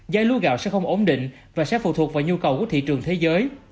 dây lúa gạo sẽ không ổn định và sẽ phụ thuộc vào nhu cầu của thị trường thế giới